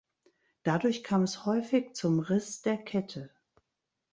Dadurch kam es häufig zum Riss der Kette.